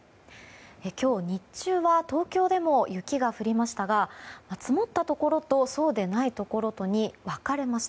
今日、日中は東京でも雪が降りましたが積もったところとそうでないところとに分かれました。